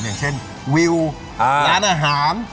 อย่างเช่นวิวร้านอาหาร